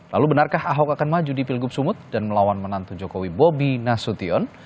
lalu benarkah ahok akan maju di pilgub sumut dan melawan menantu jokowi bobi nasution